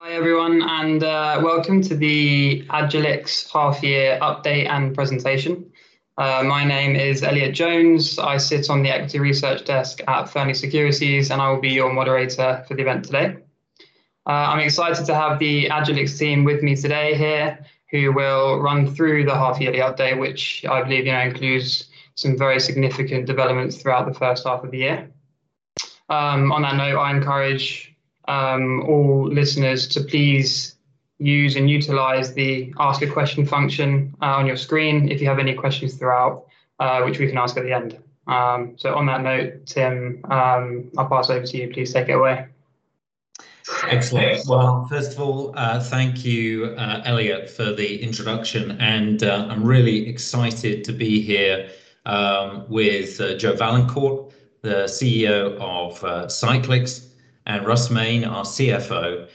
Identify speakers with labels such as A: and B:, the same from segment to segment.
A: Hi everyone, welcome to the Agilyx half-year update and presentation. My name is Elliott Jones. I sit on the equity research desk at Fearnley Securities, and I will be your moderator for the event today. I'm excited to have the Agilyx team with me today here, who will run through the half-yearly update, which I believe now includes some very significant developments throughout the first half of the year. On that note, I encourage all listeners to please use and utilize the ask a question function on your screen if you have any questions throughout, which we can ask at the end. On that note, Tim, I'll pass over to you. Please take it away.
B: Excellent. First of all, thank you, Elliott, for the introduction, and I'm really excited to be here with Joe Vaillancourt, the CEO of Cyclyx, and Russ Main, our CFO,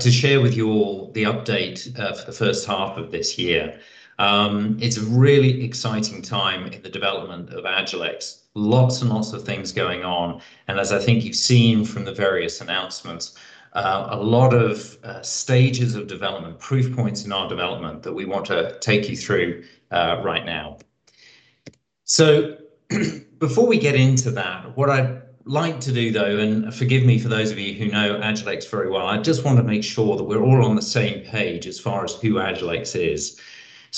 B: to share with you all the update of the first half of this year. It's a really exciting time in the development of Agilyx. Lots and lots of things going on, and as I think you've seen from the various announcements, a lot of stages of development, proof points in our development that we want to take you through right now. Before we get into that, what I'd like to do, though, and forgive me for those of you who know Agilyx very well, I just want to make sure that we're all on the same page as far as who Agilyx is.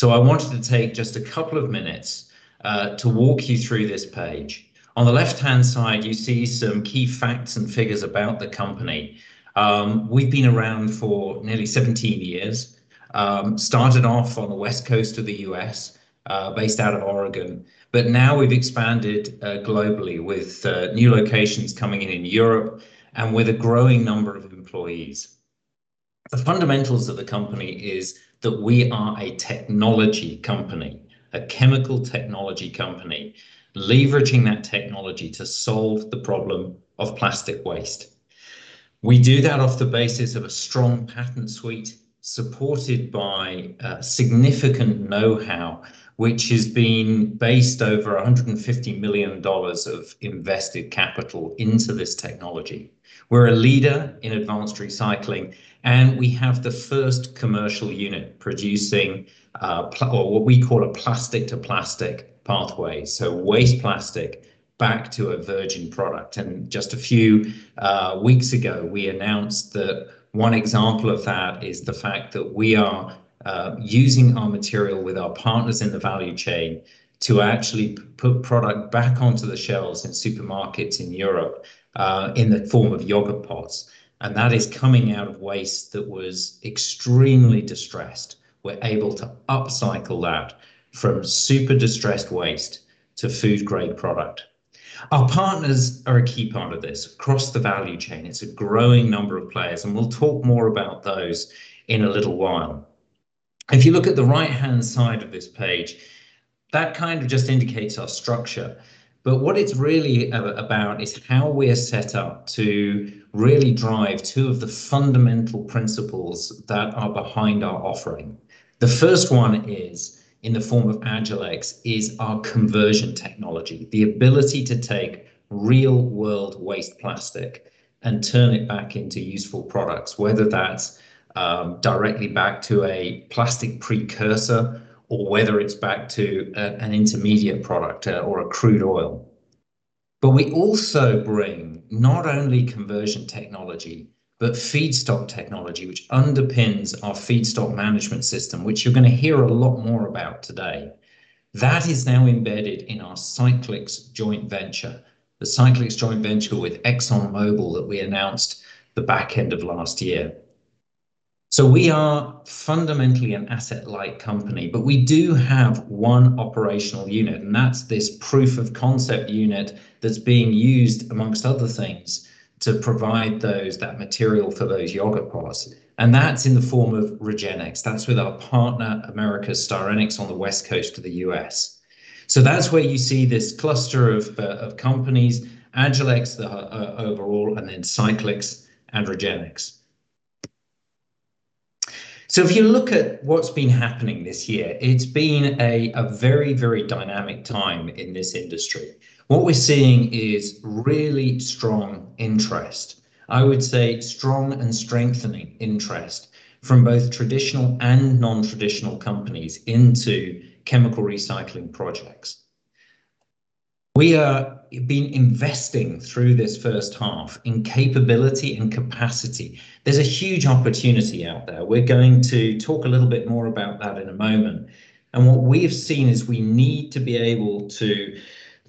B: I wanted to take just a couple of minutes to walk you through this page. On the left-hand side, you see some key facts and figures about the company. We've been around for nearly 17 years. Started off on the West Coast of the U.S., based out of Oregon. Now we've expanded globally with new locations coming in in Europe, and with a growing number of employees. The fundamentals of the company is that we are a technology company, a chemical technology company, leveraging that technology to solve the problem of plastic waste. We do that off the basis of a strong patent suite supported by significant know-how, which has been based over $150 million of invested capital into this technology. We're a leader in advanced recycling, and we have the first commercial unit producing what we call a plastic-to-plastic pathway, so waste plastic back to a virgin product. Just a few weeks ago, we announced that one example of that is the fact that we are using our material with our partners in the value chain to actually put product back onto the shelves in supermarkets in Europe, in the form of yogurt pots. That is coming out of waste that was extremely distressed. We're able to upcycle that from super distressed waste to a food-grade product. Our partners are a key part of this across the value chain. It's a growing number of players, and we'll talk more about those in a little while. If you look at the right-hand side of this page, that kind of just indicates our structure. What it's really about is how we're set up to really drive two of the fundamental principles that are behind our offering. The first one is, in the form of Agilyx, is our conversion technology, the ability to take real-world waste plastic and turn it back into useful products, whether that's directly back to a plastic precursor or whether it's back to an intermediate product or crude oil. We also bring not only conversion technology, but feedstock technology, which underpins our feedstock management system, which you're going to hear a lot more about today. That is now embedded in our Cyclyx joint venture, the Cyclyx joint venture with ExxonMobil that we announced at the back end of last year. We are fundamentally an asset-light company, but we do have one operational unit, and that's this proof of concept unit that's being used, amongst other things, to provide that material for those yogurt pots, and that's in the form of Regenyx. That's with our partner, Americas Styrenics, on the West Coast of the U.S. That's where you see this cluster of companies, Agilyx, the overall, and then Cyclyx and Regenyx. If you look at what's been happening this year, it's been a very dynamic time in this industry. What we're seeing is really strong interest, I would say strong and strengthening interest from both traditional and non-traditional companies into chemical recycling projects. We have been investing through this first half in capability and capacity. There's a huge opportunity out there. We're going to talk a little bit more about that in a moment. What we have seen is we need to be able to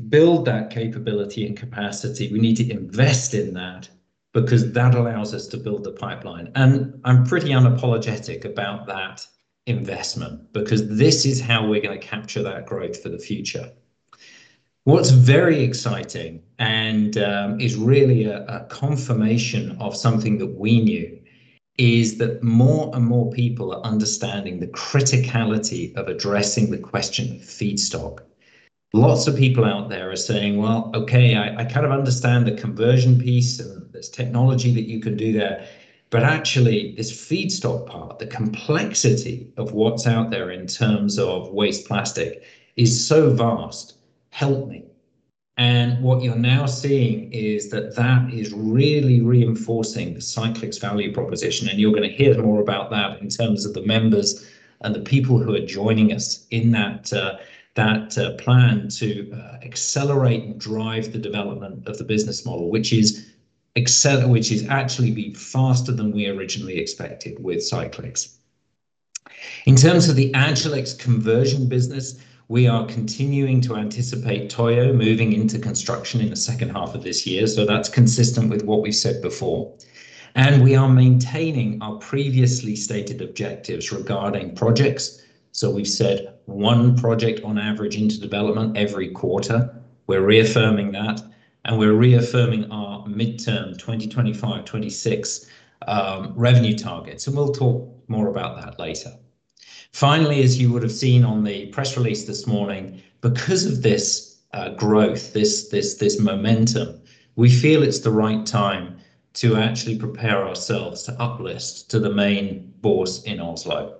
B: build that capability and capacity. We need to invest in that because that allows us to build the pipeline. I'm pretty unapologetic about that investment because this is how we're going to capture that growth for the future. What's very exciting and is really a confirmation of something that we knew is that more and more people are understanding the criticality of addressing the question of feedstock. Lots of people out there are saying, "Well, okay, I kind of understand the conversion piece, and there's technology that you can do there, but actually this feedstock part, the complexity of what's out there in terms of waste plastic is so vast, help me." What you're now seeing is that that is really reinforcing the Cyclyx value proposition, and you're going to hear more about that in terms of the members and the people who are joining us in that plan to accelerate and drive the development of the business model, which is actually be faster than we originally expected with Cyclyx. In terms of the Agilyx conversion business, we are continuing to anticipate Toyo moving into construction in the second half of this year. That's consistent with what we've said before. We are maintaining our previously stated objectives regarding projects. We've said one project on average into development every quarter. We're reaffirming that, and we're reaffirming our midterm 2025, 2026 revenue targets. We'll talk more about that later. Finally, as you would have seen on the press release this morning, because of this growth, this momentum, we feel it's the right time to actually prepare ourselves to uplist to the main bourse in Oslo.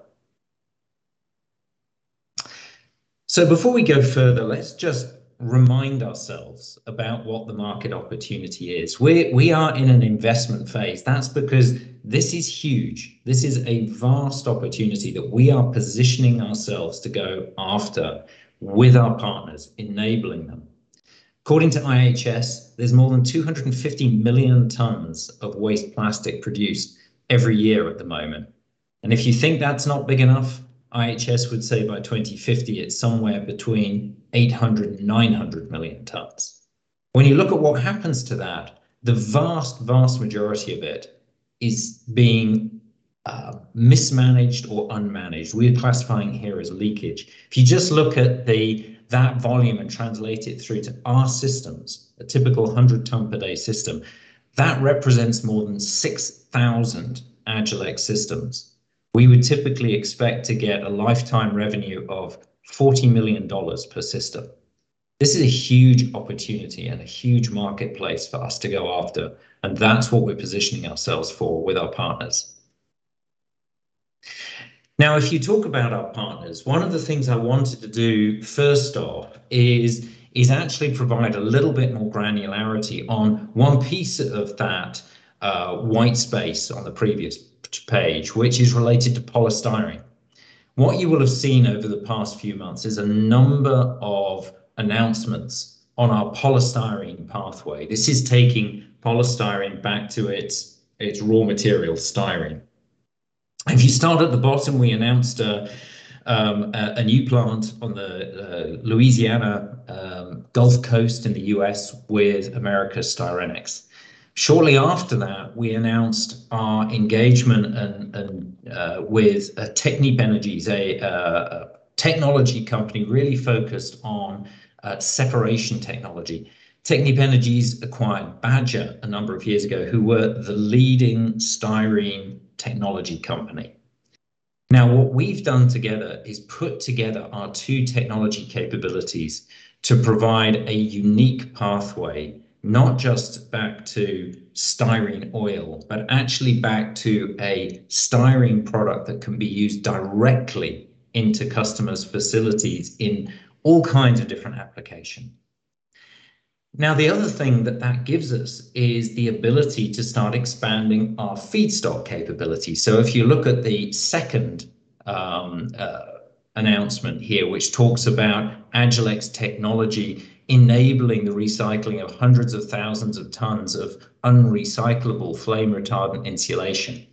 B: Before we go further, let's just remind ourselves about what the market opportunity is. We are in an investment phase. That's because this is huge. This is a vast opportunity that we are positioning ourselves to go after with our partners, enabling them. According to IHS, there's more than 250 million tons of waste plastic produced every year at the moment. If you think that's not big enough, IHS would say by 2050, it's somewhere between 800 and 900 million tons. When you look at what happens to that, the vast majority of it is being mismanaged or unmanaged. We're classifying it here as leakage. If you just look at that volume and translate it through to our systems, a typical 100-ton-per-day system, that represents more than 6,000 Agilyx systems. We would typically expect to get a lifetime revenue of $40 million per system. This is a huge opportunity and a huge marketplace for us to go after. That is what we're positioning ourselves for with our partners. If you talk about our partners, one of the things I wanted to do first off is actually provide a little bit more granularity on one piece of that white space on the previous page, which is related to polystyrene. What you will have seen over the past few months is a number of announcements on our polystyrene pathway. This is taking polystyrene back to its raw material, styrene. If you start at the bottom, we announced a new plant on the Louisiana Gulf Coast in the U.S. with Americas Styrenics. Shortly after that, we announced our engagement with Technip Energies, a technology company really focused on separation technology. Technip Energies acquired Badger a number of years ago, who were the leading styrene technology company. What we've done together is put together our two technology capabilities to provide a unique pathway, not just back to styrene oil, but actually back to a styrene product that can be used directly into customers' facilities in all kinds of different applications. The other thing that gives us is the ability to start expanding our feedstock capability. If you look at the second announcement here, which talks about Agilyx technology enabling the recycling of hundreds of thousands of tons of unrecyclable flame-retardant insulation,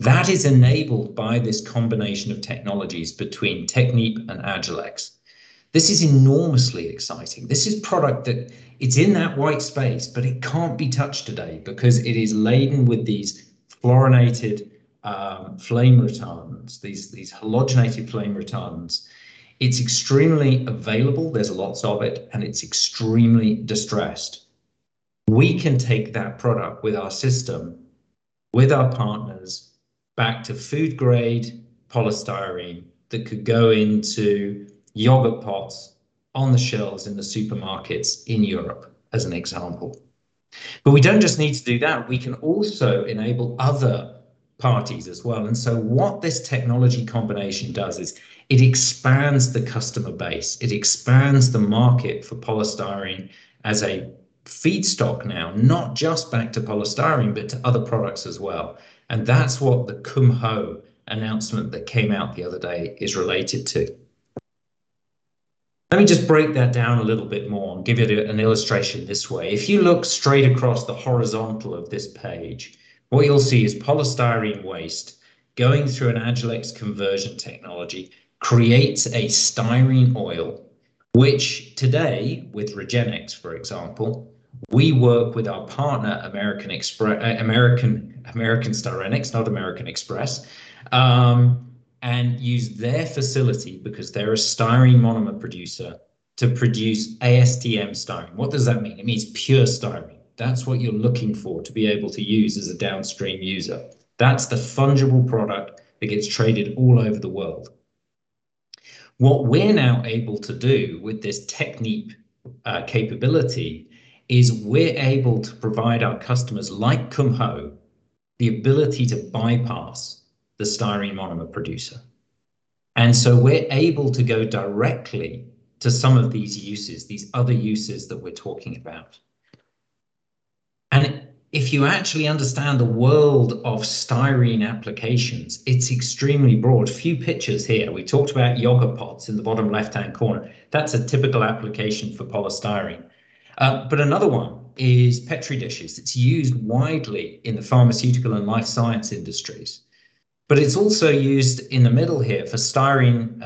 B: that is enabled by this combination of technologies between Technip and Agilyx. This is enormously exciting. This is a product that it's in that white space, but it can't be touched today because it is laden with these fluorinated flame retardants, these halogenated flame retardants. It's extremely available. There's lots of it, and it's extremely distressed. We can take that product with our system, with our partners, back to food-grade polystyrene that could go into yogurt pots on the shelves in the supermarkets in Europe, as an example. We don't just need to do that. We can also enable other parties as well. What this technology combination does is it expands the customer base. It expands the market for polystyrene as a feedstock now, not just back to polystyrene, but to other products as well. That's what the Kumho announcement that came out the other day is related to. Let me just break that down a little bit more and give you an illustration this way. If you look straight across the horizontal of this page, what you'll see is polystyrene waste going through an Agilyx conversion technology, creates a styrene oil, which today with Regenyx, for example, we work with our partner, Americas Styrenics, not American Express, and use their facility because they're a styrene monomer producer to produce ASTM styrene. What does that mean? It means pure styrene. That's what you're looking for to be able to use as a downstream user. That's the fungible product that gets traded all over the world. What we're now able to do with this Technip capability is we're able to provide our customers, like Kumho, the ability to bypass the styrene monomer producer. We're able to go directly to some of these uses, these other uses that we're talking about. If you actually understand the world of styrene applications, it's extremely broad. A few pictures here. We talked about yogurt pots in the bottom left-hand corner. That's a typical application for polystyrene. Another one is Petri dishes. It's used widely in the pharmaceutical and life science industries. It's also used in the middle here for solution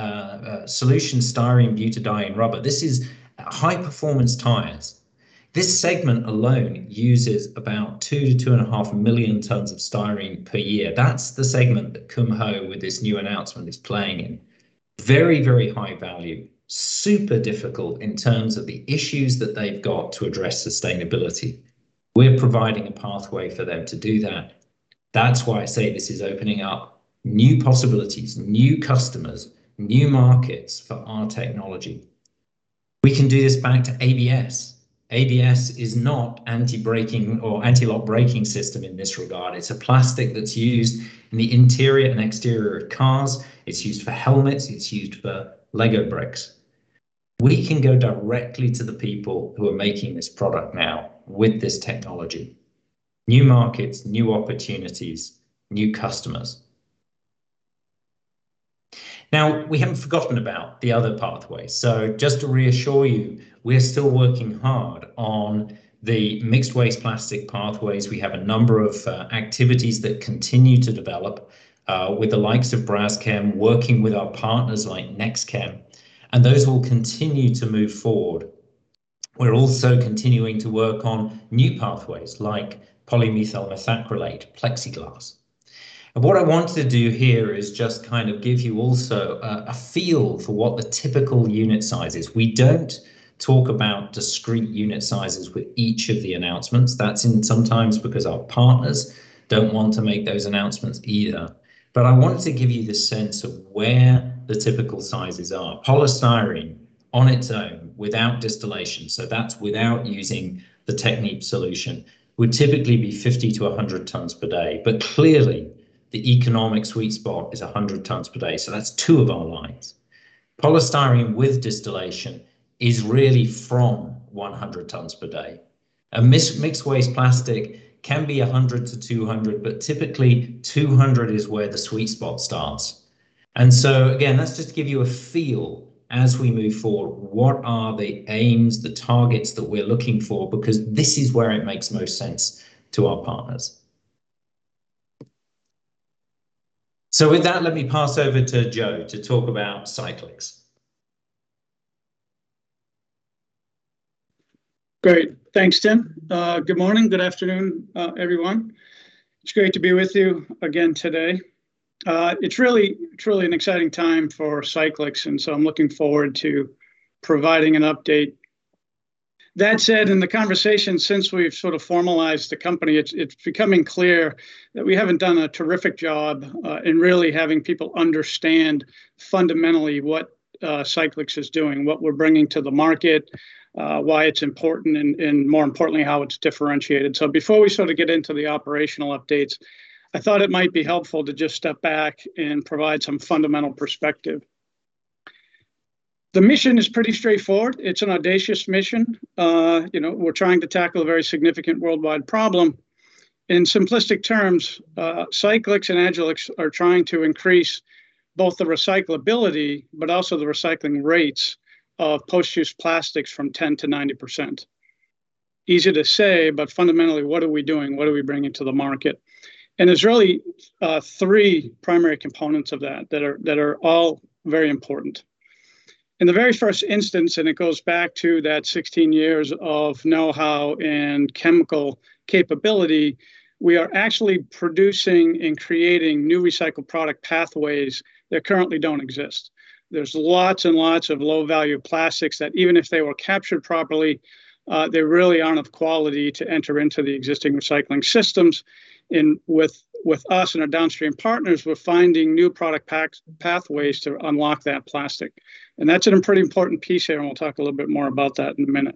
B: styrene butadiene rubber. This is high-performance tires. This segment alone uses about 2 million tons-2.5 million tons of styrene per year. That's the segment that Kumho, with this new announcement, is playing in. Very high value, super difficult in terms of the issues that they've got to address, sustainability. We're providing a pathway for them to do that. That's why I say this is opening up new possibilities, new customers, new markets for our technology. We can do this back to ABS. ABS is not anti-lock braking system in this regard. It's a plastic that's used in the interior and exterior of cars. It's used for helmets, it's used for LEGO bricks. We can go directly to the people who are making this product now with this technology. New markets, new opportunities, new customers. Now, we haven't forgotten about the other pathways. Just to reassure you, we're still working hard on the mixed waste plastic pathways. We have a number of activities that continue to develop, with the likes of Braskem working with our partners like NextChem. Those will continue to move forward. We're also continuing to work on new pathways like polymethyl methacrylate PLEXIGLAS. What I wanted to do here is just give you also a feel for what the typical unit size is. We don't talk about discrete unit sizes with each of the announcements. That's sometimes because our partners don't want to make those announcements either. I wanted to give you the sense of where the typical sizes are. Polystyrene on its own, without distillation, so that's without using the Technip solution, would typically be 50 tons-100 tons per day. Clearly, the economic sweet spot is 100 tons per day. That's two of our lines. Polystyrene with distillation is really from 100 tons per day. Mixed waste plastic can be 100 tons-200 tons, but typically 200 tons is where the sweet spot starts. Again, that's just to give you a feel as we move forward, what are the aims, the targets that we're looking for, because this is where it makes most sense to our partners. With that, let me pass over to Joe to talk about Cyclyx.
C: Great. Thanks, Tim. Good morning, good afternoon, everyone. It's great to be with you again today. It's really an exciting time for Cyclyx. I'm looking forward to providing an update. That said, in the conversation since we've formalized the company, it's becoming clear that we haven't done a terrific job in really having people understand fundamentally what Cyclyx is doing, what we're bringing to the market, why it's important, and more importantly, how it's differentiated. Before we get into the operational updates, I thought it might be helpful to just step back and provide some fundamental perspective. The mission is pretty straightforward. It's an audacious mission. We're trying to tackle a very significant worldwide problem. In simplistic terms, Cyclyx and Agilyx are trying to increase both the recyclability but also the recycling rates of post-use plastics from 10% to 90%. Easy to say, but fundamentally, what are we doing? What are we bringing to the market? There's really three primary components of that that are all very important. In the very first instance, and it goes back to that 16 years of know-how and chemical capability, we are actually producing and creating new recycled product pathways that currently don't exist. There's lots and lots of low-value plastics that, even if they were captured properly, they really aren't of quality to enter into the existing recycling systems. With our downstream partners and us, we're finding new product pathways to unlock that plastic, and that's a pretty important piece here, and we'll talk a little bit more about that in a minute.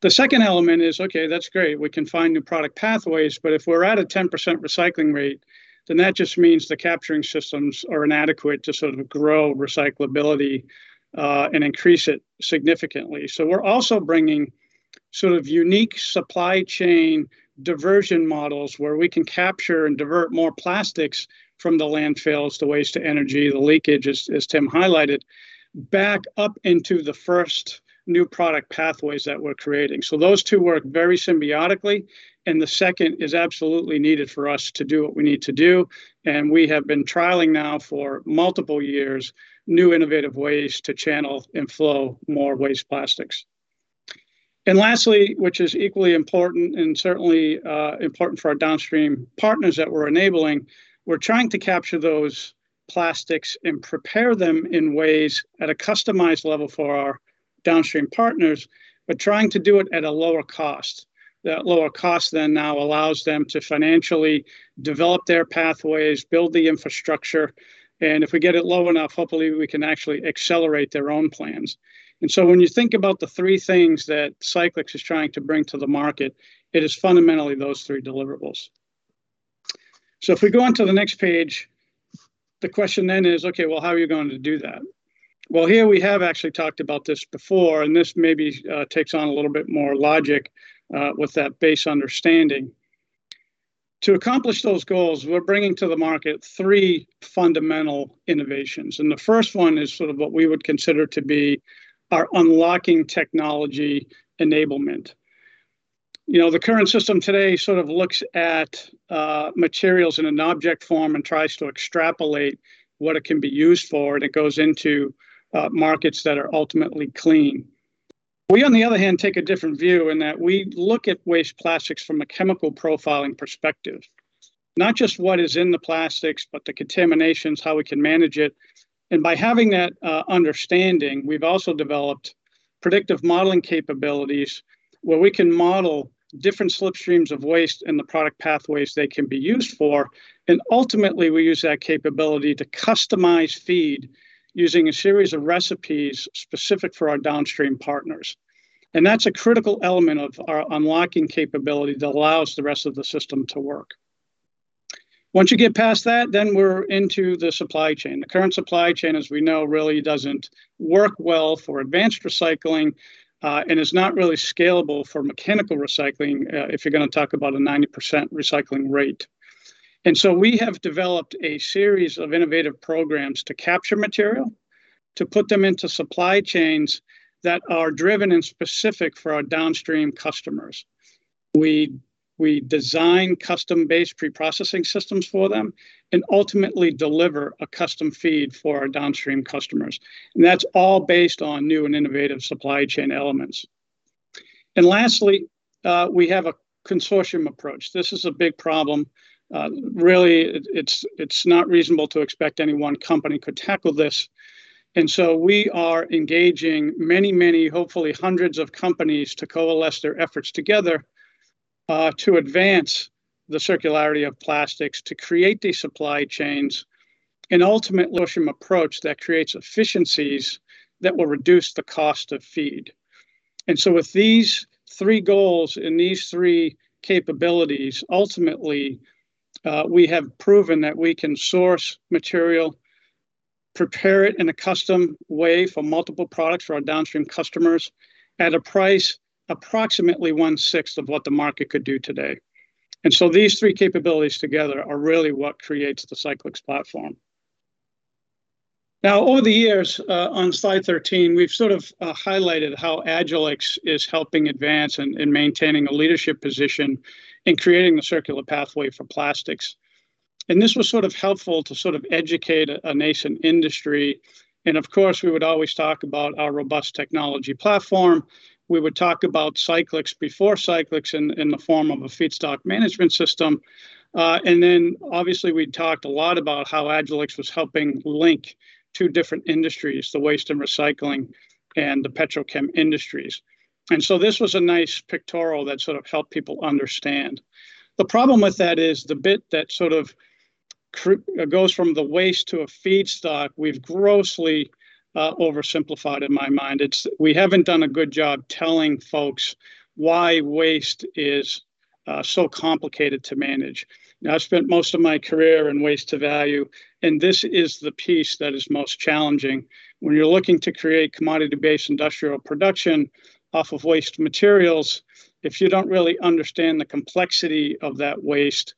C: The second element is, okay, that's great, we can find new product pathways, but if we're at a 10% recycling rate, then that just means the capturing systems are inadequate to grow recyclability and increase it significantly. We're also bringing unique supply chain diversion models where we can capture and divert more plastics from the landfills to waste to energy, the leakage, as Tim highlighted, back up into the first new product pathways that we're creating. Those two work very symbiotically, and the second is absolutely needed for us to do what we need to do. We have been trialing now for multiple years, new innovative ways to channel and flow more waste plastics. Lastly, which is equally important and certainly important for our downstream partners that we're enabling, we're trying to capture those plastics and prepare them in ways at a customized level for our downstream partners, but trying to do it at a lower cost. That lower cost then now allows them to financially develop their pathways, build the infrastructure, and if we get it low enough, hopefully we can actually accelerate their own plans. When you think about the three things that Cyclyx is trying to bring to the market, it is fundamentally those three deliverables. If we go onto the next page, the question then is, okay, well, how are you going to do that? Here we have actually talked about this before, and this maybe takes on a little bit more logic with that base understanding. To accomplish those goals, we're bringing to the market three fundamental innovations. The first one is what we would consider to be our unlocking technology enablement. The current system today looks at materials in an object form and tries to extrapolate what it can be used for. It goes into markets that are ultimately clean. We, on the other hand, take a different view in that we look at waste plastics from a chemical profiling perspective, not just what is in the plastics, but the contaminations, how we can manage it. By having that understanding, we've also developed predictive modeling capabilities where we can model different slip streams of waste and the product pathways they can be used for. Ultimately, we use that capability to customize feed using a series of recipes specific for our downstream partners. That's a critical element of our unlocking capability that allows the rest of the system to work. Once you get past that, then we're into the supply chain. The current supply chain, as we know, really doesn't work well for advanced recycling, and is not really scalable for mechanical recycling if you're going to talk about a 90% recycling rate. We have developed a series of innovative programs to capture material to put them into supply chains that are driven and specific for our downstream customers. We design custom-based pre-processing systems for them and ultimately deliver a custom feed for our downstream customers. That's all based on new and innovative supply chain elements. Lastly, we have a consortium approach. This is a big problem. Really, it's not reasonable to expect any one company could tackle this. We are engaging many, hopefully hundreds of companies, to coalesce their efforts together to advance the circularity of plastics to create these supply chains and ultimate approach that creates efficiencies that will reduce the cost of feed. With these three goals and these three capabilities, ultimately, we have proven that we can source material, prepare it in a custom way for multiple products for our downstream customers at a price approximately 1/6 of what the market could do today. These three capabilities together are really what create the Cyclyx platform. Now, over the years, on slide 13, we've highlighted how Agilyx is helping advance and maintaining a leadership position in creating the circular pathway for plastics. This was helpful to educate a nascent industry. Of course, we would always talk about our robust technology platform. We would talk about Cyclyx before Cyclyx in the form of a feedstock management system. Obviously, we talked a lot about how Agilyx was helping link two different industries, the waste and recycling and the petrochem industries. This was a nice pictorial that helped people understand. The problem with that is the bit that goes from the waste to a feedstock we've grossly oversimplified in my mind. We haven't done a good job telling folks why waste is so complicated to manage. Now, I've spent most of my career in waste to value, and this is the piece that is most challenging. When you're looking to create commodity-based industrial production off of waste materials, if you don't really understand the complexity of that waste,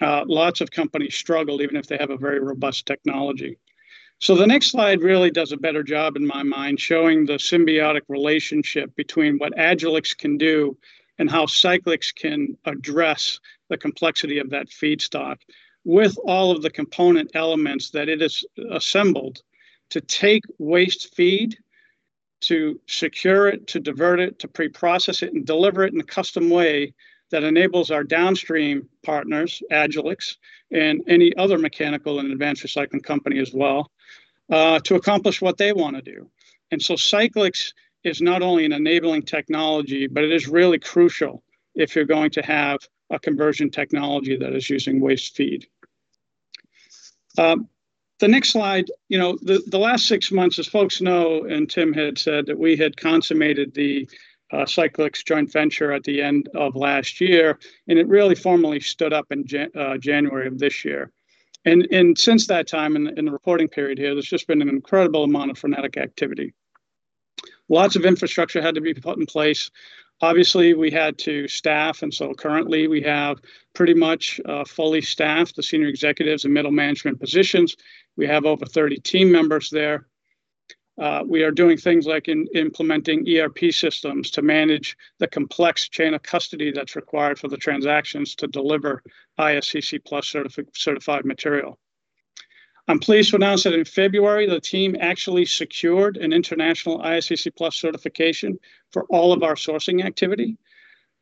C: lots of companies struggle, even if they have a very robust technology. The next slide really does a better job, in my mind, showing the symbiotic relationship between what Agilyx can do and how Cyclyx can address the complexity of that feedstock with all of the component elements that it has assembled to take waste feed, to secure it, to divert it, to pre-process it, and deliver it in a custom way that enables our downstream partners, Agilyx and any other mechanical and advanced recycling company as well, to accomplish what they want to do. Cyclyx is not only an enabling technology, but it is really crucial if you're going to have a conversion technology that is using waste feed. The next slide. The last six months, as folks know, and Tim had said, that we had consummated the Cyclyx joint venture at the end of last year, and it really formally stood up in January of this year. Since that time in the reporting period here, there's just been an incredible amount of frenetic activity. Lots of infrastructure had to be put in place. Obviously, we had to staff. Currently, we have pretty much fully staffed the senior executives and middle management positions. We have over 30 team members there. We are doing things like implementing ERP systems to manage the complex chain of custody that's required for the transactions to deliver ISCC PLUS certified material. I'm pleased to announce that in February, the team actually secured an international ISCC PLUS certification for all of our sourcing activity.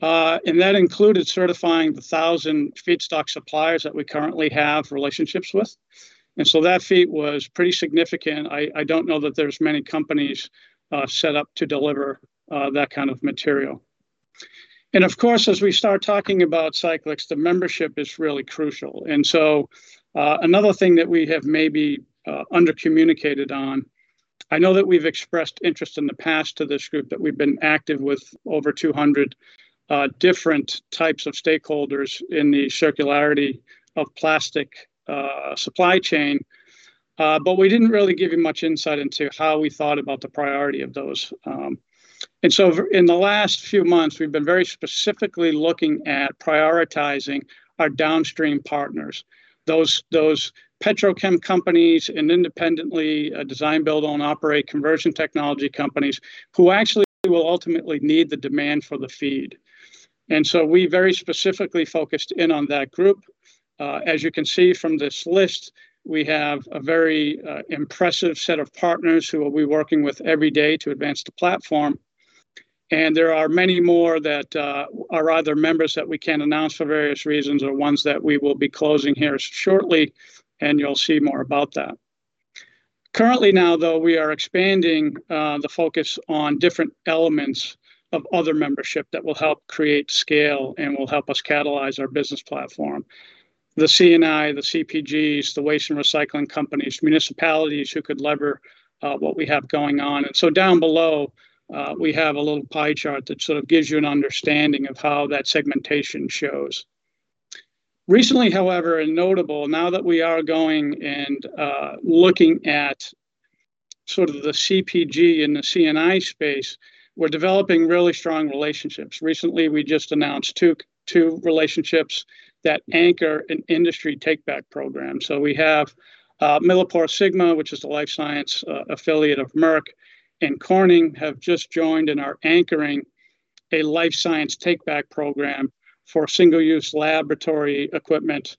C: That included certifying the 1,000 feedstock suppliers that we currently have relationships with. That feat was pretty significant. I don't know that there's many companies set up to deliver that kind of material. Of course, as we start talking about Cyclyx, the membership is really crucial. Another thing that we have maybe undercommunicated on. I know that we've expressed interest in the past to this group, that we've been active with over 200 different types of stakeholders in the circularity of plastic supply chain. We didn't really give you much insight into how we thought about the priority of those. In the last few months, we've been very specifically looking at prioritizing our downstream partners, those petrochem companies and independently design, build, own, operate conversion technology companies who actually will ultimately need the demand for the feed. We very specifically focused in on that group. As you can see from this list, we have a very impressive set of partners who we'll be working with every day to advance the platform. There are many more that are either members that we can't announce for various reasons, or ones that we will be closing here shortly, and you'll see more about that. Currently, now though, we are expanding the focus on different elements of other memberships that will help create scale and will help us catalyze our business platform. The C&I, the CPGs, the waste and recycling companies, municipalities who could lever what we have going on. So, down below, we have a little pie chart that sort of gives you an understanding of how that segmentation shows. Recently, however, and notable, now that we are going and looking at sort of the CPG and the C&I space, we're developing really strong relationships. Recently, we just announced two relationships that anchor an industry takeback program. We have MilliporeSigma, which is the life science affiliate of Merck, and Corning have just joined and are anchoring a life science takeback program for single-use laboratory equipment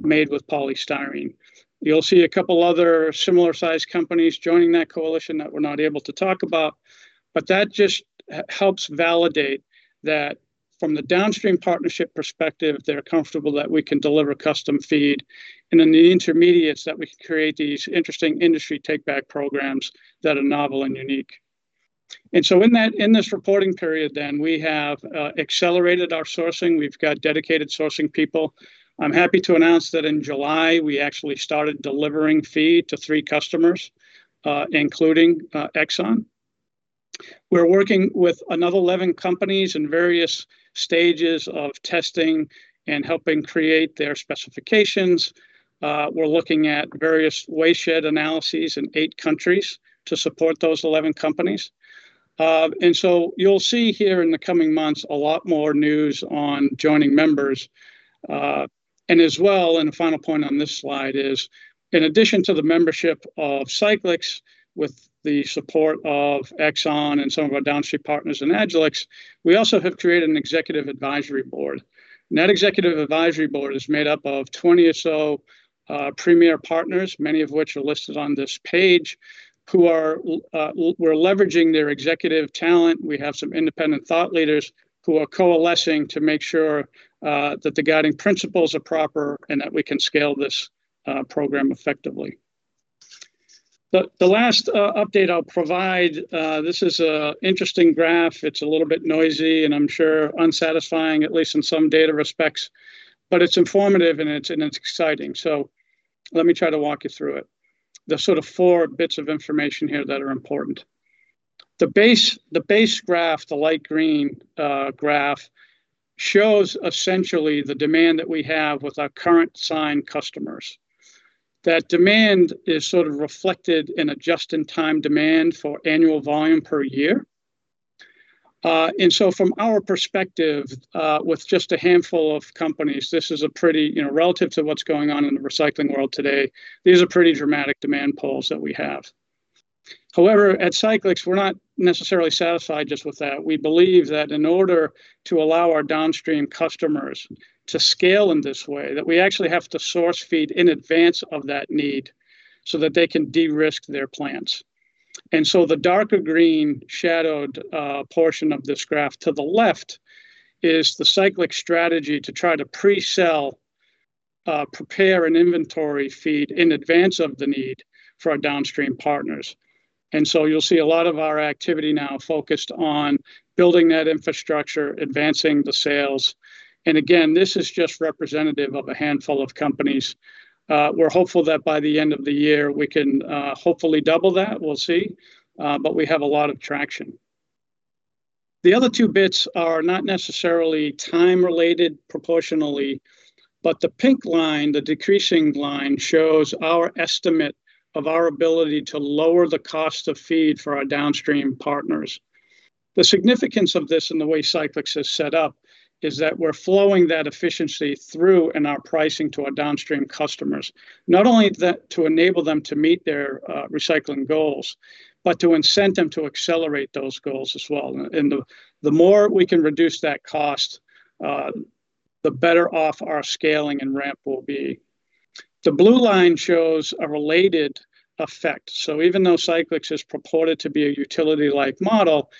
C: made with polystyrene. You'll see a couple of other similar-sized companies joining that coalition that we're not able to talk about. That just helps validate that from the downstream partnership perspective, they're comfortable that we can deliver custom feed, and in the intermediates, that we can create these interesting industry takeback programs that are novel and unique. In this reporting period, we have accelerated our sourcing. We've got dedicated sourcing people. I'm happy to announce that in July, we actually started delivering feed to three customers, including ExxonMobil. We're working with another 11 companies in various stages of testing and helping create their specifications. We're looking at various wasteshed analyses in eight countries to support those 11 companies. You'll see here in the coming months a lot more news on joining members. As well, and a final point on this slide is, in addition to the membership of Cyclyx with the support of Exxon and some of our downstream partners in Agilyx, we have also created an executive advisory board. That executive advisory board is made up of 20 or so premier partners, many of which are listed on this page; we're leveraging their executive talent. We have some independent thought leaders who are coalescing to make sure that the guiding principles are proper and that we can scale this program effectively. The last update I'll provide, this is an interesting graph. It's a little bit noisy, and I'm sure unsatisfying, at least in some data respects, but it's informative, and it's exciting. Let me try to walk you through it. There's sort of four bits of information here that are important. The base graph, the light green graph, shows essentially the demand that we have with our current signed customers. That demand is sort of reflected in a just-in-time demand for annual volume per year. From our perspective, with just a handful of companies, relative to what's going on in the recycling world today, these are pretty dramatic demand polls that we have. However, at Cyclyx, we're not necessarily satisfied just with that. We believe that in order to allow our downstream customers to scale in this way, that we actually have to source feed in advance of that need so that they can de-risk their plans. The darker green shadowed portion of this graph to the left is the Cyclyx strategy to try to pre-sell, prepare an inventory feed in advance of the need for our downstream partners. You'll see a lot of our activity now focused on building that infrastructure, advancing the sales, and again, this is just representative of a handful of companies. We're hopeful that by the end of the year, we can hopefully double that. We'll see. We have a lot of traction. The other two bits are not necessarily time-related proportionally, but the pink line, the decreasing line, shows our estimate of our ability to lower the cost of feed for our downstream partners. The significance of this and the way Cyclyx is set up is that we're flowing that efficiency through in our pricing to our downstream customers. Not only to enable them to meet their recycling goals, but to incent them to accelerate those goals as well. The more we can reduce that cost, the better off our scaling and ramp will be. The blue line shows a related effect. Even though Cyclyx is purported to be a utility-like model,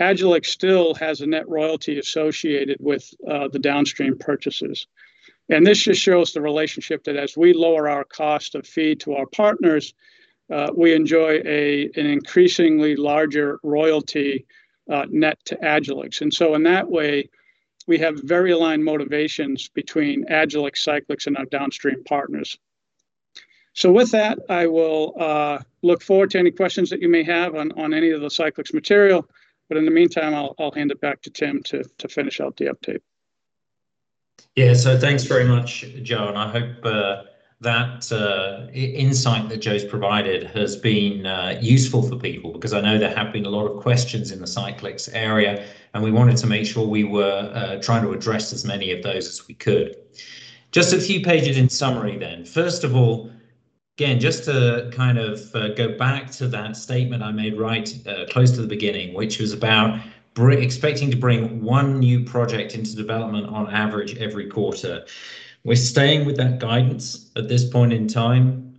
C: Agilyx still has a net royalty associated with the downstream purchases. This just shows the relationship that as we lower our cost of feed to our partners, we enjoy an increasingly larger royalty net to Agilyx. In that way, we have very aligned motivations between Agilyx, Cyclyx, and our downstream partners. With that, I will look forward to any questions that you may have on any of the Cyclyx material. In the meantime, I'll hand it back to Tim to finish out the update.
B: Yeah. Thanks very much, Joe, and I hope that insight that Joe's provided has been useful for people, because I know there have been a lot of questions in the Cyclyx area, and we wanted to make sure we were trying to address as many of those as we could. Just a few pages in summary. First of all, again, just to kind of go back to that statement I made right close to the beginning, which was about expecting to bring one new project into development on average every quarter. We're staying with that guidance at this point in time.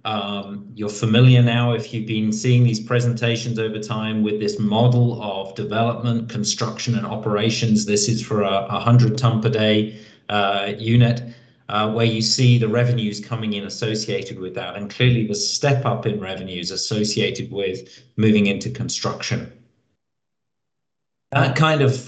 B: You're familiar now, if you've been seeing these presentations over time, with this model of development, construction, and operations. This is for a 100-tons-per-day unit, where you see the revenues coming in associated with that, and clearly the step-up in revenues associated with moving into construction. That kind of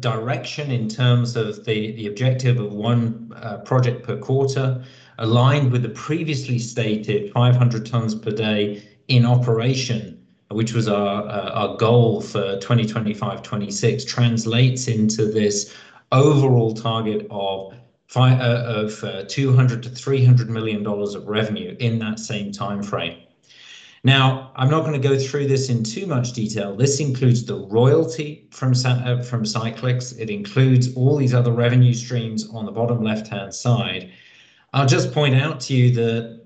B: direction in terms of the objective of one project per quarter, aligned with the previously stated 500 tons per day in operation, which was our goal for 2025, 2026, translates into this overall target of $200 million-$300 million of revenue in that same timeframe. I'm not going to go through this in too much detail. This includes the royalty from Cyclyx. It includes all these other revenue streams on the bottom left-hand side. I'll just point out to you that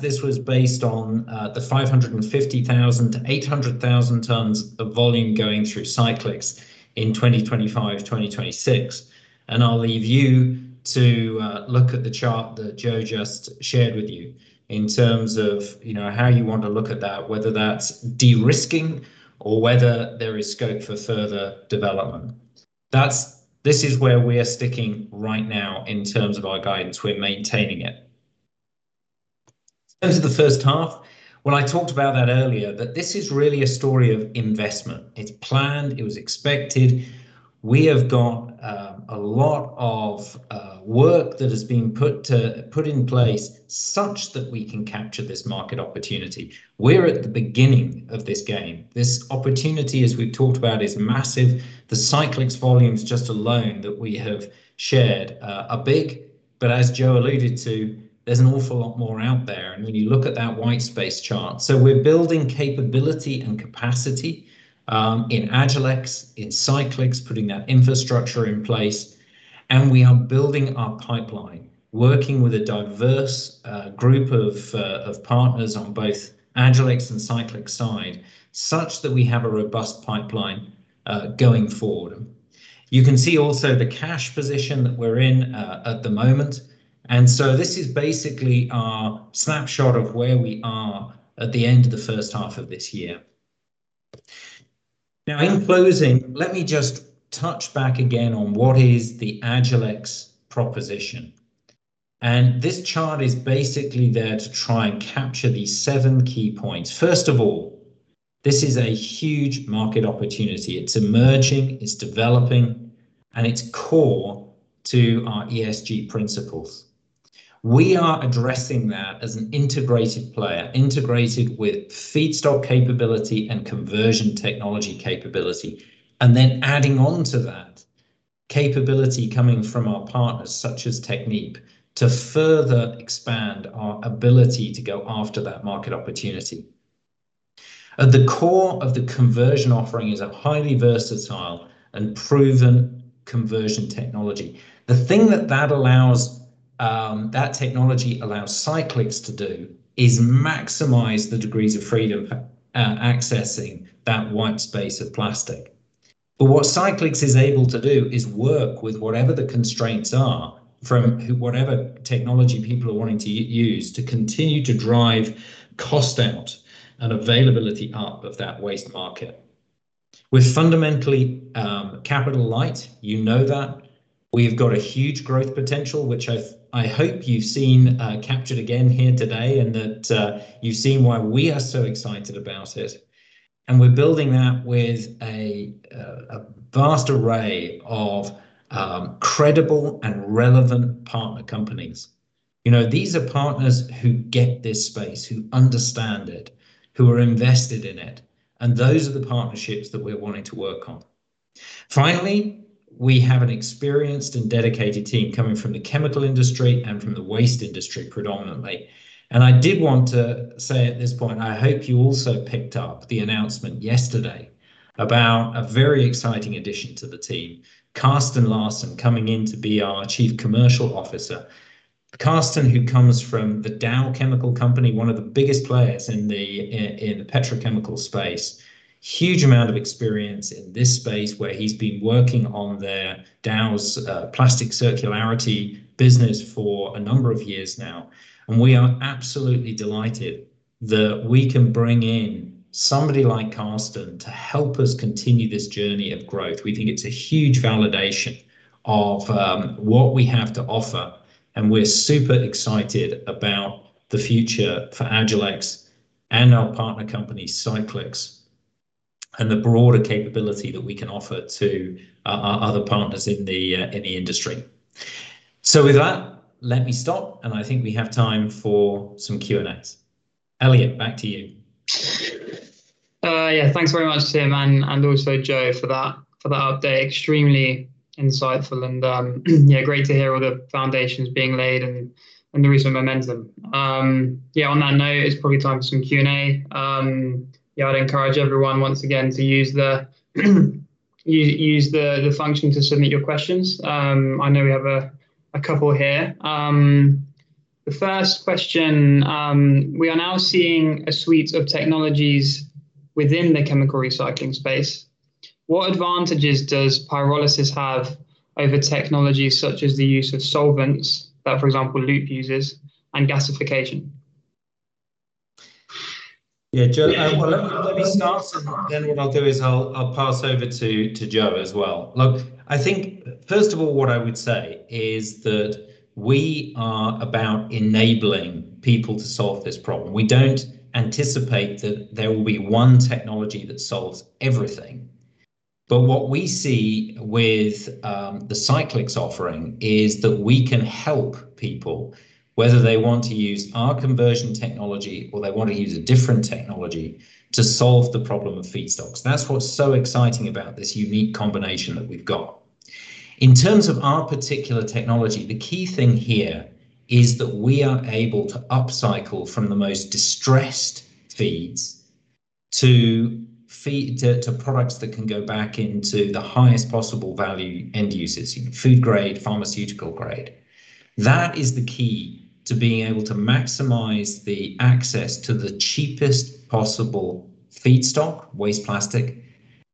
B: this was based on the 550,000 tons-800,000 tons of volume going through Cyclyx in 2025, 2026. I'll leave you to look at the chart that Joe just shared with you in terms of how you want to look at that, whether that's de-risking or whether there is scope for further development. This is where we are sticking right now in terms of our guidance. We're maintaining it. In terms of the first half, when I talked about that earlier, that this is really a story of investment. It's planned. It was expected. We have got a lot of work that has been put in place such that we can capture this market opportunity. We're at the beginning of this game. This opportunity, as we've talked about, is massive. The Cyclyx volumes just alone that we have shared are big, but as Joe alluded to, there's an awful lot more out there, and when you look at that white space chart. We're building capability and capacity in Agilyx, in Cyclyx, putting that infrastructure in place, and we are building our pipeline, working with a diverse group of partners on both the Agilyx and Cyclyx side, such that we have a robust pipeline going forward. You can also see the cash position that we're in at the moment, this is basically our snapshot of where we are at the end of the first half of this year. In closing, let me just touch back again on what is the Agilyx proposition. This chart is basically there to try and capture these seven key points. First of all, this is a huge market opportunity. It's emerging, it's developing, and it's core to our ESG principles. We are addressing that as an integrated player, integrated with feedstock capability and conversion technology capability, and then adding on to that capability coming from our partners, such as Technip, to further expand our ability to go after that market opportunity. At the core of the conversion offering is a highly versatile and proven conversion technology. The thing that technology allows Cyclyx to do is maximize the degrees of freedom accessing that white space of plastic. What Cyclyx is able to do is work with whatever the constraints are from whatever technology people are wanting to use to continue to drive cost out and availability up of that waste market. We're fundamentally capital light. You know that. We've got a huge growth potential, which I hope you've seen captured again here today, and that you've seen why we are so excited about it, and we're building that with a vast array of credible and relevant partner companies. These are partners who get this space, who understand it, who are invested in it, and those are the partnerships that we're wanting to work on. Finally, we have an experienced and dedicated team coming from the chemical industry and from the waste industry predominantly. I did want to say at this point, I hope you also picked up the announcement yesterday about a very exciting addition to the team, Carsten Larsen, coming in to be our Chief Commercial Officer. Carsten, who comes from The Dow Chemical Company, one of the biggest players in the petrochemical space. Huge amount of experience in this space, where he's been working on their Dow's plastic circularity business for a number of years now, and we are absolutely delighted that we can bring in somebody like Carsten to help us continue this journey of growth. We think it's a huge validation of what we have to offer, and we're super excited about the future for Agilyx and our partner company, Cyclyx. The broader capability that we can offer to our other partners in the industry. With that, let me stop, and I think we have time for some Q&As. Elliott, back to you.
A: Yeah. Thanks very much, Tim, and also Joe, for that update. Extremely insightful and yeah, great to hear all the foundations being laid and the recent momentum. Yeah, on that note, it's probably time for some Q&A. Yeah, I'd encourage everyone, once again, to use the function to submit your questions. I know we have a couple here. The first question, we are now seeing a suite of technologies within the chemical recycling space. What advantages does pyrolysis have over technologies such as the use of solvents that, for example, Loop uses, and gasification?
B: Yeah. Joe, let me start. Then what I'll do is I'll pass over to Joe as well. Look, I think, first of all, what I would say is that we are about enabling people to solve this problem. We don't anticipate that there will be one technology that solves everything. What we see with the Cyclyx offering is that we can help people, whether they want to use our conversion technology or they want to use a different technology to solve the problem of feedstocks. That's what's so exciting about this unique combination that we've got. In terms of our particular technology, the key thing here is that we are able to upcycle from the most distressed feeds to products that can go back into the highest possible value end uses, food grade, pharmaceutical grade. That is the key to being able to maximize access to the cheapest possible feedstock, waste plastic,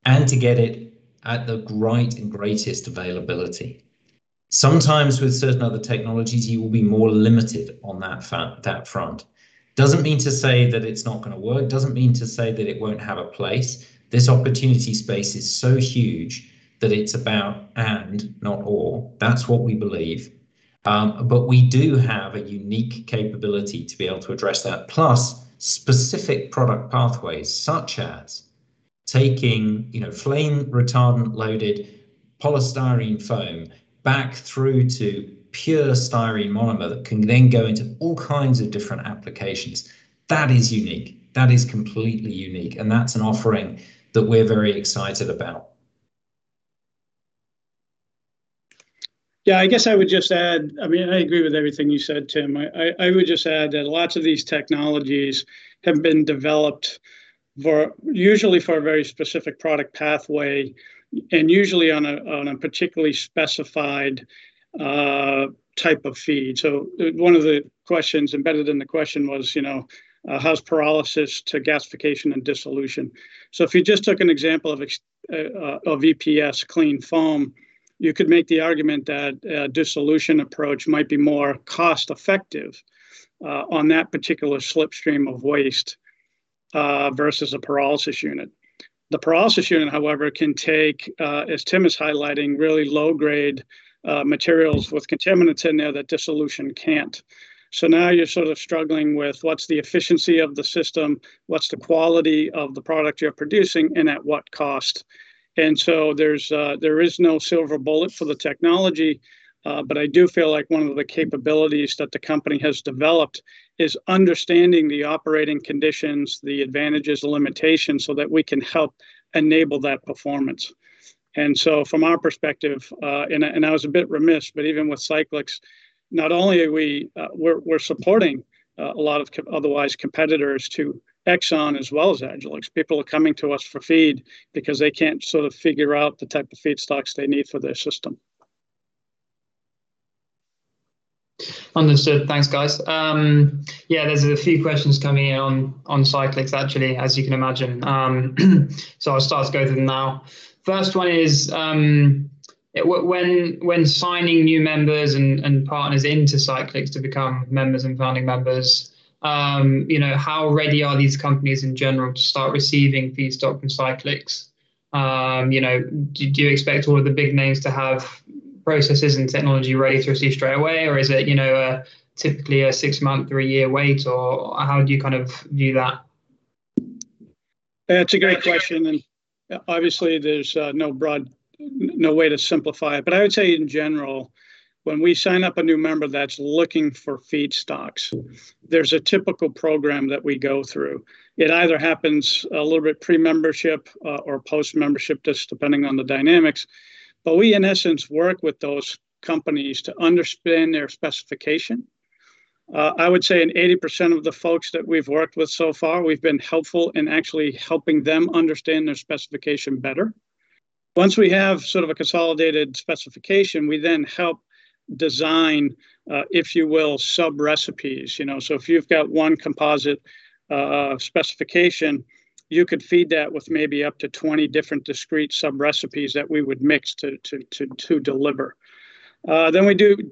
B: and to get it at the right and greatest availability. Sometimes, with certain other technologies, you will be more limited on that front. Doesn't mean to say that it's not going to work, doesn't mean to say that it won't have a place. This opportunity space is so huge that it's about and, not or. That's what we believe. We do have a unique capability to be able to address that. Specific product pathways, such as taking flame retardant-loaded polystyrene foam back through to pure styrene monomer, that can then go into all kinds of different applications. That is unique. That is completely unique, and that's an offering that we're very excited about.
C: I guess I would just add, I agree with everything you said, Tim. I would just add that lots of these technologies have been developed usually for a very specific product pathway, and usually on a particularly specified type of feed. Embedded in the question was how is pyrolysis to gasification and dissolution? If you just took an example of EPS clean foam, you could make the argument that a dissolution approach might be more cost-effective on that particular slipstream of waste versus a pyrolysis unit. The pyrolysis unit, however, can take, as Tim is highlighting, really low-grade materials with contaminants in there that dissolution can't. Now you're sort of struggling with what the efficiency of the system, what's the quality of the product you're producing, and at what cost. There is no silver bullet for the technology, but I do feel like one of the capabilities that the company has developed is understanding the operating conditions, the advantages, the limitations, so that we can help enable that performance. From our perspective, and I was a bit remiss, but even with Cyclyx, not only are we supporting a lot of otherwise competitors to Exxon as well as Agilyx, people are coming to us for feed because they can't sort of figure out the type of feedstocks they need for their system.
A: Understood. Thanks, guys. Yeah, there's a few questions coming in on Cyclyx, actually, as you can imagine. I'll start to go through them now. First one is, when signing new members and partners into Cyclyx to become members and founding members, how ready are these companies in general to start receiving feedstock from Cyclyx? Do you expect all of the big names to have processes and technology ready to receive straight away, or is it typically a six-month, three-year wait, or how do you view that?
C: That's a great question. Obviously, there's no way to simplify it. I would say in general, when we sign up a new member that's looking for feedstocks, there's a typical program that we go through. It either happens a little bit pre-membership or post-membership, just depending on the dynamics. We, in essence, work with those companies to understand their specification. I would say in 80% of the folks that we've worked with so far, we've been helpful in actually helping them understand their specification better. Once we have sort of a consolidated specification, we then help design, if you will, sub-recipes. If you've got one composite specification, you could feed that with maybe up to 20 different discrete sub-recipes that we would mix to deliver.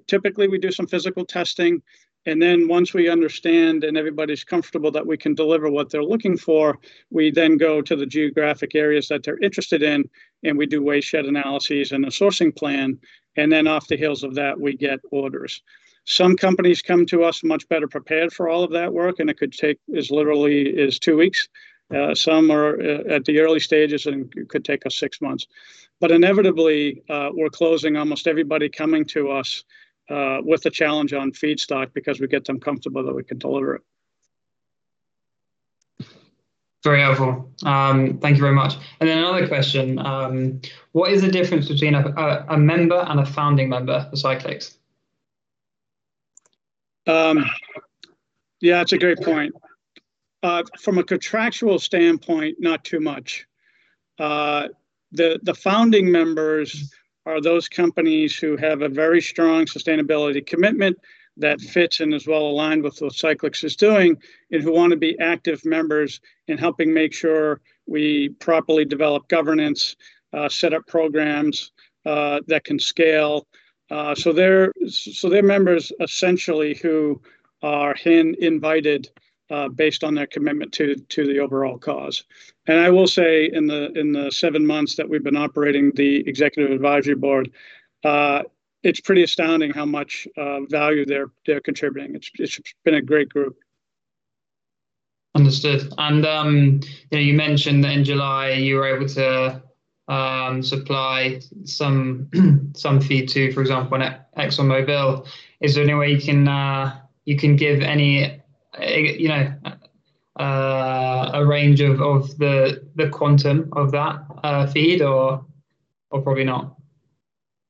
C: Typically, we do some physical testing, and then once we understand and everybody's comfortable that we can deliver what they're looking for, we then go to the geographic areas that they're interested in, and we do waste shed analyses and a sourcing plan. Off the heels of that, we get orders. Some companies come to us much better prepared for all of that work, and it could take as literally as two weeks. Some are at the early stages and could take us six months. Inevitably, we're closing almost everybody coming to us with a challenge on feedstock because we get them comfortable that we can deliver it.
A: Very helpful. Thank you very much. Then another question. What is the difference between a member and a founding member of Cyclyx?
C: Yeah, that's a great point. From a contractual standpoint, not too much. The founding members are those companies who have a very strong sustainability commitment that fits and is well-aligned with what Cyclyx is doing, and who want to be active members in helping make sure we properly develop governance, set up programs that can scale. They're members, essentially, who are hand-invited based on their commitment to the overall cause. I will say in the seven months that we've been operating the executive advisory board, it's pretty astounding how much value they're contributing. It's been a great group.
A: Understood. You mentioned that in July, you were able to supply some feed to, for example, ExxonMobil. Is there any way you can give any range of the quantum of that feed, or probably not?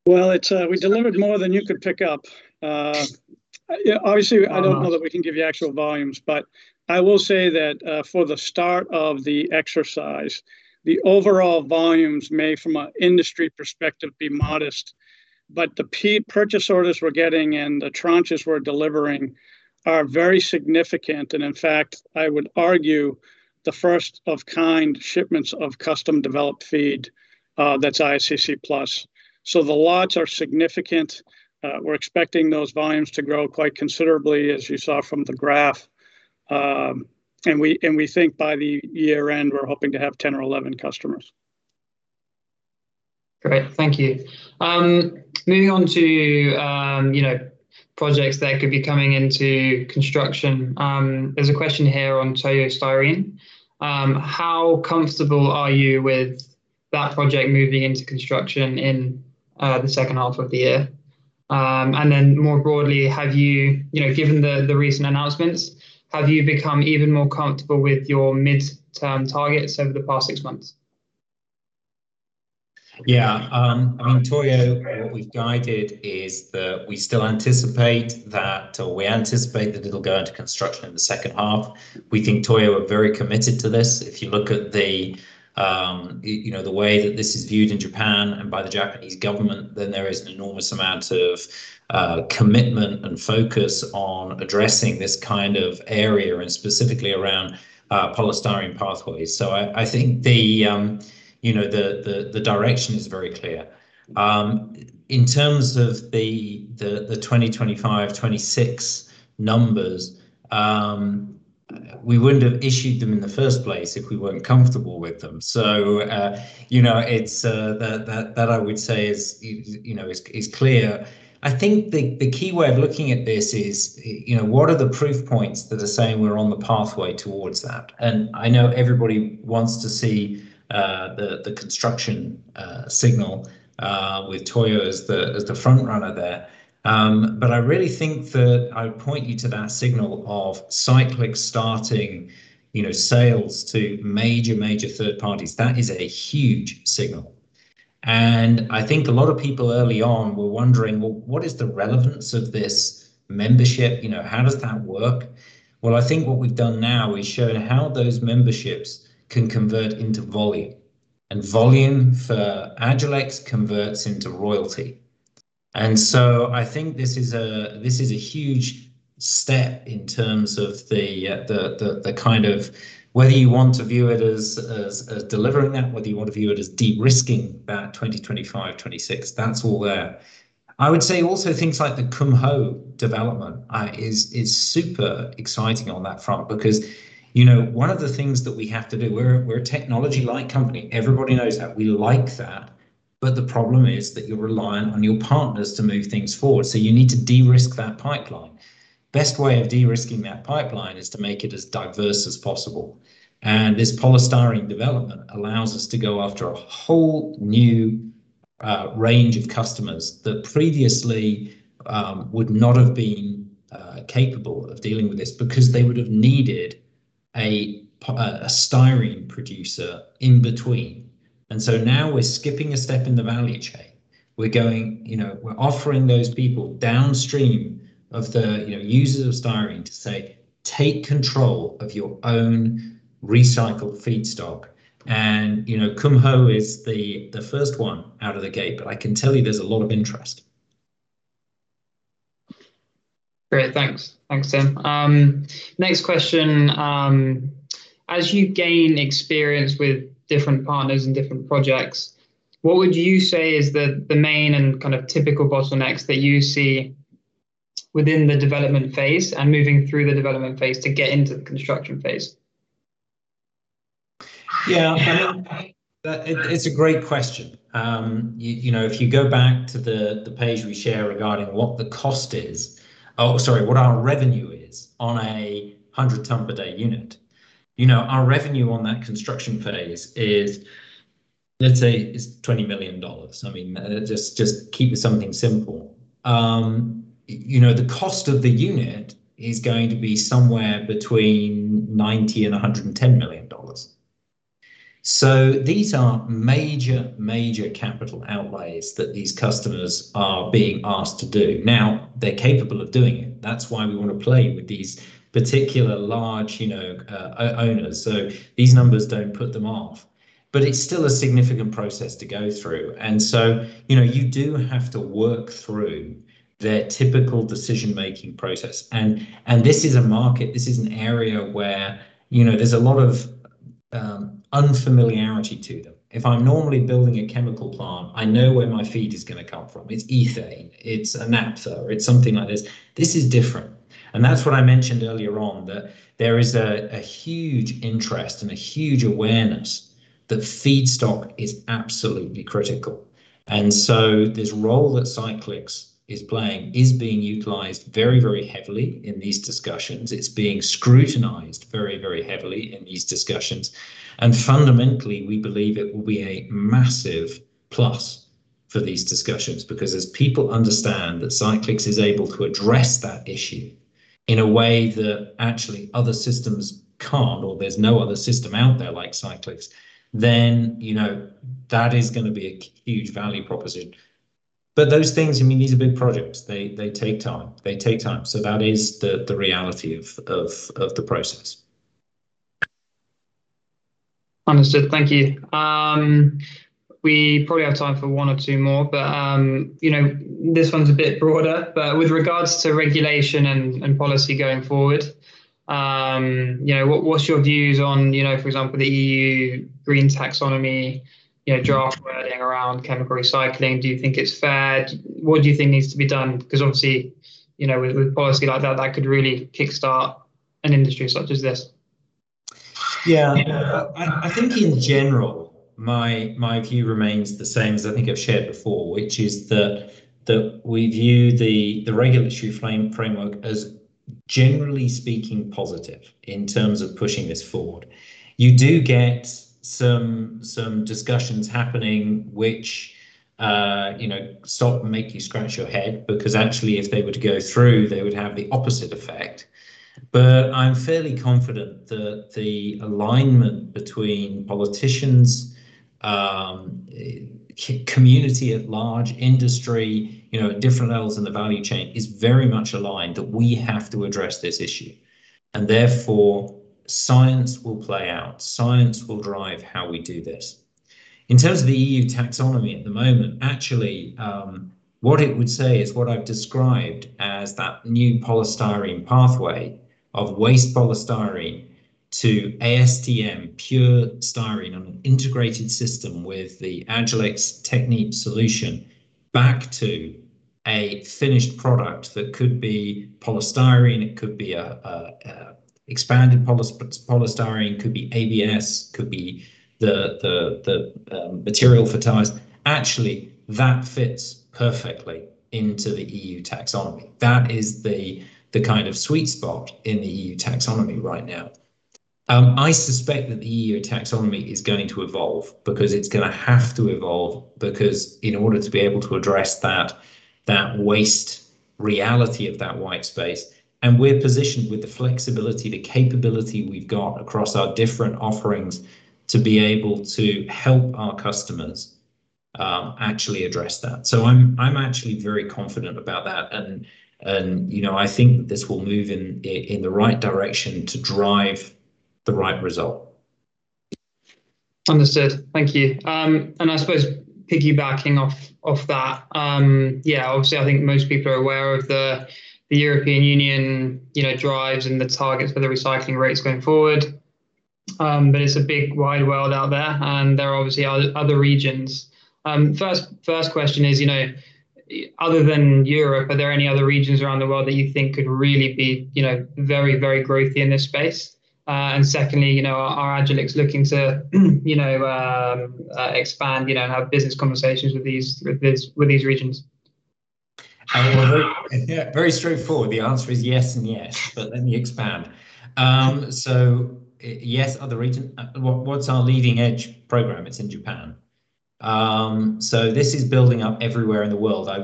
C: Well, we delivered more than you could pick up. Obviously, I don't know that we can give you actual volumes, but I will say that for the start of the exercise, the overall volumes may, from an industry perspective, be modest, but the purchase orders we're getting and the tranches we're delivering are very significant. In fact, I would argue the first of its kind shipments of custom-developed feed that's ISCC PLUS. The lots are significant. We're expecting those volumes to grow quite considerably, as you saw from the graph. We think by the year-end, we're hoping to have 10 or 11 customers.
A: Great, thank you. Moving on to projects that could be coming into construction. There's a question here on Toyo Styrene. How comfortable are you with that project moving into construction in the second half of the year? Then more broadly, given the recent announcements, have you become even more comfortable with your mid-term targets over the past six months?
B: Yeah. Toyo, what we've guided is that we anticipate that it'll go into construction in the second half. We think Toyo are very committed to this. There is an enormous amount of commitment and focus on addressing this kind of area, and specifically around polystyrene pathways. I think the direction is very clear. In terms of the 2025, 2026 numbers, we wouldn't have issued them in the first place if we weren't comfortable with them. That, I would say, is clear. I think the key way of looking at this is what are the proof points that are saying we're on the pathway towards that? I know everybody wants to see the construction signal with Toyo as the frontrunner there. I really think that I would point you to that signal of Cyclyx starting sales to major third parties. That is a huge signal. I think a lot of people, early on, were wondering, well, what is the relevance of this membership? How does that work? Well, I think what we've done now is shown how those memberships can convert into volume, and volume for Agilyx converts into royalty. I think this is a huge step in terms of the kind of whether you want to view it as delivering that, whether you want to view it as de-risking that 2025, 2026, that's all there. I would say also things like the Kumho development is super exciting on that front because one of the things that we have to do, we're a technology-like company. Everybody knows that. We like that. The problem is that you're reliant on your partners to move things forward, so you need to de-risk that pipeline. Best way of de-risking that pipeline is to make it as diverse as possible. This polystyrene development allows us to go after a whole new range of customers that previously would not have been capable of dealing with this because they would've needed a styrene producer in between. Now we're skipping a step in the value chain. We're offering those people downstream of the users of styrene to say, "Take control of your own recycled feedstock." Kumho is the first one out of the gate, but I can tell you there's a lot of interest.
A: Great. Thanks, Tim. Next question. As you gain experience with different partners and different projects, what would you say is the main and typical bottlenecks that you see within the development phase and moving through the development phase to get into the construction phase?
B: Yeah. It's a great question. If you go back to the page we shared regarding what our revenue is on a 100-ton per day unit. Our revenue on that construction phase is, let's say, $20 million. Just keeping something simple. The cost of the unit is going to be somewhere between $90 million-$110 million. These are major capital outlays that these customers are being asked to do. Now, they're capable of doing it, that's why we want to play with these particular large owners. These numbers don't put them off, but it's still a significant process to go through, and so you do have to work through their typical decision-making process. This is a market, this is an area where there's a lot of unfamiliarity to them. If I'm normally building a chemical plant, I know where my feed is going to come from. It's ethane, it's a naphtha, or it's something like this. This is different, and that's what I mentioned earlier on, that there is a huge interest and a huge awareness that feedstock is absolutely critical. This role that Cyclyx is playing is being utilized very heavily in these discussions. It's being scrutinized very heavily in these discussions, and fundamentally, we believe it will be a massive plus for these discussions. Because as people understand that Cyclyx is able to address that issue in a way that actually other systems can't, or there's no other system out there like Cyclyx, then that is going to be a huge value proposition. Those things, these are big projects. They take time. That is the reality of the process.
A: Understood. Thank you. We probably have time for one or two more, but this one's a bit broader. With regards to regulation and policy going forward, what's your views on, for example, the EU Green Taxonomy, draft wording around chemical recycling? Do you think it's fair? What do you think needs to be done? Obviously, with policy like that could really kickstart an industry such as this.
B: Yeah. I think in general, my view remains the same as I think I've shared before, which is that we view the regulatory framework as generally speaking positive in terms of pushing this forward. You do get some discussions happening, which stop and make you scratch your head, because actually, if they were to go through, they would have the opposite effect. I'm fairly confident that the alignment between politicians, the community at large, industry at different levels in the value chain is very much aligned that we have to address this issue. Therefore, science will play out. Science will drive how we do this. In terms of the EU Taxonomy at the moment, actually, what it would say is what I've described as that new polystyrene pathway of waste polystyrene to ASTM pure styrene on an integrated system with the Agilyx Technip solution back to a finished product that could be polystyrene, it could be expanded polystyrene, it could be ABS, could be the material for tires. Actually, that fits perfectly into the EU Taxonomy. That is the kind of sweet spot in the EU Taxonomy right now. I suspect that the EU Taxonomy is going to evolve because it's going to have to evolve, because in order to be able to address that waste reality of that white space, and we're positioned with the flexibility, the capability we've got across our different offerings to be able to help our customers actually address that. I'm actually very confident about that, and I think this will move in the right direction to drive the right result.
A: Understood. Thank you. I suppose piggybacking off of that, obviously, I think most people are aware of the European Union drives and the targets for the recycling rates going forward. It's a big, wide world out there, and there are obviously other regions. First question is, other than Europe, are there any other regions around the world that you think could really be very growthy in this space? Secondly, are Agilyx looking to expand, have business conversations with these regions?
B: Yeah. Very straightforward. The answer is yes and yes, but let me expand. Yes, other region. What's our leading-edge program? It's in Japan. This is building up everywhere in the world. I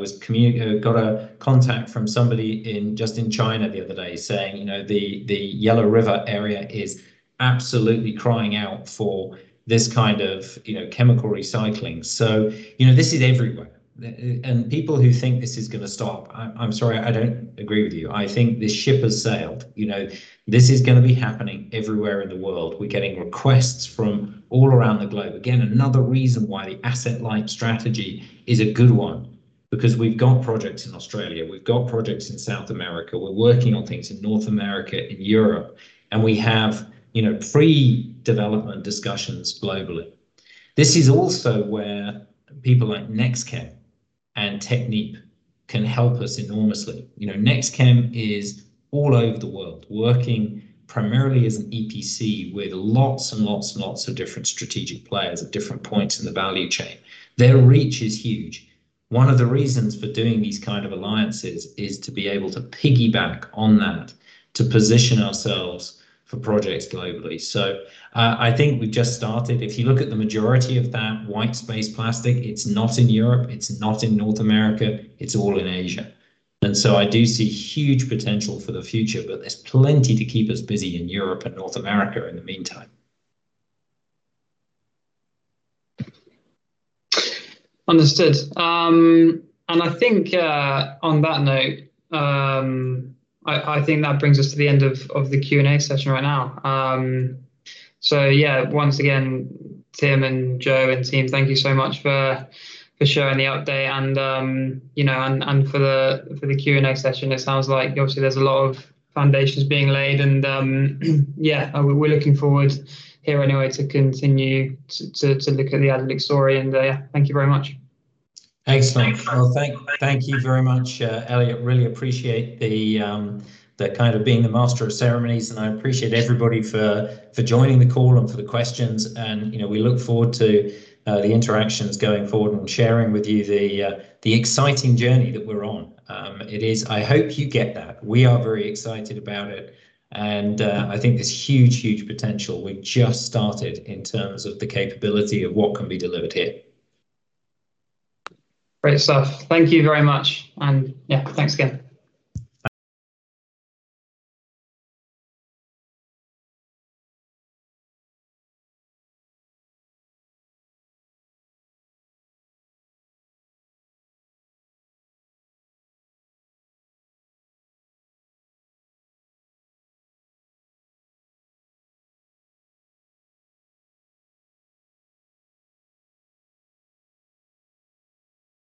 B: got a contact from somebody just in China the other day, saying the Yellow River area is absolutely crying out for this kind of chemical recycling. This is everywhere. People who think this is going to stop, I'm sorry, I don't agree with you. I think this ship has sailed. This is going to be happening everywhere in the world. We're getting requests from all around the globe. Again, another reason why the asset-light strategy is a good one. Because we've got projects in Australia, we've got projects in South America, we're working on things in North America, in Europe, and we have pre-development discussions globally. This is also where people like NextChem and Technip can help us enormously. NextChem is all over the world, working primarily as an EPC with lots and lots and lots of different strategic players at different points in the value chain. Their reach is huge. One of the reasons for doing these kinds of alliances is to be able to piggyback on that, to position ourselves for projects globally. I think we've just started. If you look at the majority of that white space plastic, it's not in Europe, it's not in North America, it's all in Asia. I do see huge potential for the future, but there's plenty to keep us busy in Europe and North America in the meantime.
A: Understood. I think, on that note, I think that brings us to the end of the Q&A session right now. Once again, Tim, and Joe, and team, thank you so much for sharing the update and for the Q&A session. It sounds like obviously there's a lot of foundations being laid, and we're looking forward here anyway to continue to look at the Agilyx story. Thank you very much.
B: Excellent. Well, thank you very much, Elliott. I really appreciate the kind of being the master of ceremonies. I appreciate everybody for joining the call and for the questions. We look forward to the interactions going forward and sharing with you the exciting journey that we're on. It is, I hope you get that. We are very excited about it, and I think there's huge potential. We've just started in terms of the capability of what can be delivered here.
A: Great stuff. Thank you very much. Yeah, thanks again.
B: Bye.